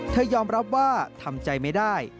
ยอมรับว่าทำใจไม่ได้